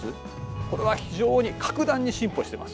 これは非常に格段に進歩してます。